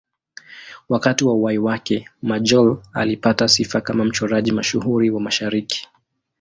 Wakati wa uhai wake, Majolle alipata sifa kama mchoraji mashuhuri wa Mashariki.